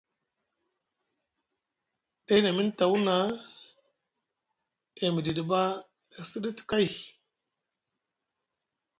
Ɗay na miŋ tawuna e miɗiɗi ɓa e siɗiti kay.